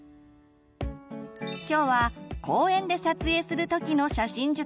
今日は公園で撮影する時の写真術。